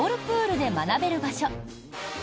プールで学べる場所。